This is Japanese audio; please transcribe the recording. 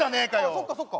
そっかそっか。